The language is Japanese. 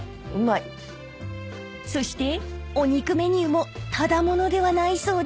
［そしてお肉メニューもただ者ではないそうで］